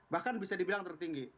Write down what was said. bahkan bisa dibilang tertinggi